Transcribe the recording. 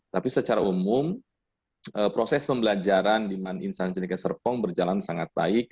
tapi secara umum proses pembelajaran di insan ceneka serpong berjalan sangat baik